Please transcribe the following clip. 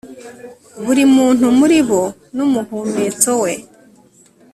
buri muntu muri bo n'umuhumetso we